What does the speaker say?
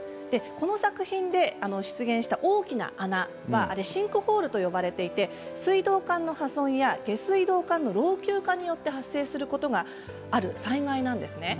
この作品で出現した大きな穴あれはシンクホールと呼ばれていて水道管の破損や下水道の老朽化などによって発生することがある災害なんです。